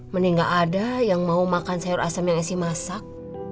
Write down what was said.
mending gak ada yang mau makan sayur asam yang isi masak